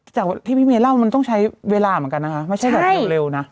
จากที่พี่เมย์เล่ามันต้องใช้เวลาเหมือนกันนะคะไม่ใช่แบบเร็วนะ